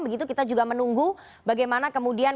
begitu kita juga menunggu bagaimana kemudian